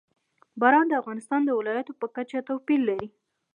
باران د افغانستان د ولایاتو په کچه توپیر لري.